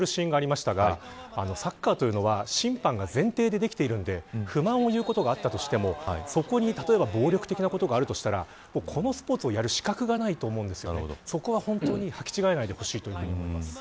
審判に対して詰め寄るシーンがありましたがサッカーというのは審判が前提でできているので不満を言うことがあったとしてもそこに例えば暴力的なことがあるとしたらこのスポーツをやる資格がないと思うんです。